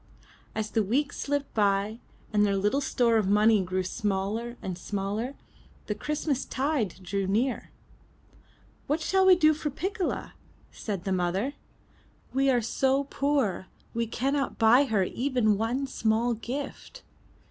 As the weeks slipped by, and their little store of money grew smaller and smaller, the Christmas tide drew near. 'What shall we do for Piccola?'' said the mother, we are so poor, we cannot buy her even one small gift."